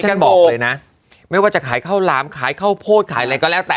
ฉันบอกเลยนะไม่ว่าจะขายข้าวหลามขายข้าวโพดขายอะไรก็แล้วแต่